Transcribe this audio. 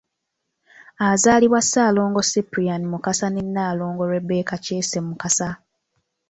Azaalibwa Ssaalongo Cyprian Mukasa ne Nnaalongo Rebecca Kyese Mukasa